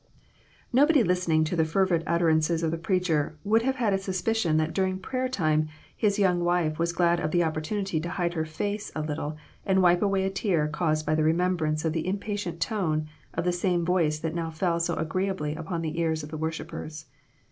Nobody listening to the fervid utterances of the preacher would have had a suspicion that during prayer time his young wife was glad of the oppor tunity to hide her face for a little and wipe away a tear caused by the remembrance of the impa tient tone of the same voice that now fell so agreeably upon the ears of the worshipers.